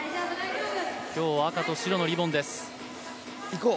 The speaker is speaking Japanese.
今日は赤と白のリボンです。